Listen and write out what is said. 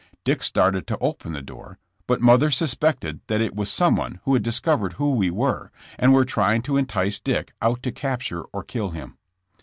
Dick started to open the door, but mother suspected that it was someone who had discovered who we were and were trying to entice Dick out to capture or kill him.